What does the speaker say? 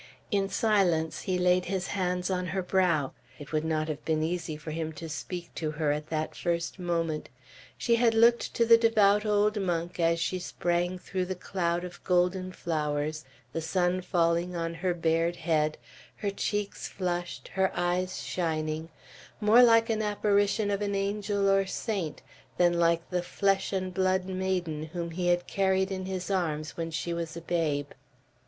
In silence he laid his hands on her brow. It would not have been easy for him to speak to her at that first moment. She had looked to the devout old monk, as she sprang through the cloud of golden flowers, the sun falling on her bared head, her cheeks flushed, her eyes shining, more like an apparition of an angel or saint, than like the flesh and blood maiden whom he had carried in his arms when she was a babe.